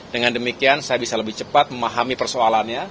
dengan demikian saya bisa lebih cepat memahami persoalannya